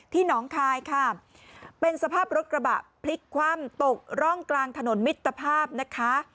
น้องคายค่ะเป็นสภาพรถกระบะพลิกคว่ำตกร่องกลางถนนมิตรภาพนะคะ